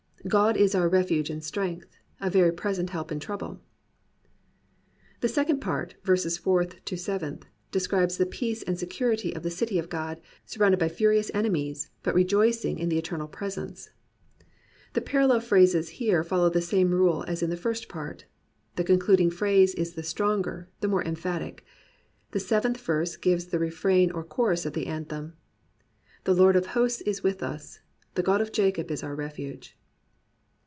God is our refuge and strength: A very present help in trouble. The second part (verses fourth to seventh) describes the peace and security of the city of God, surrounded by furious enemies, but rejoicing in the Eternal Presence. The parallel phrases here follow the same rule as in the first part. The concluding phrase is the stronger, the more emphatic. The seventh verse gives the refrain or chorus of the anthem. The Lord of hosts is with us : The God of Jacob is our refuge.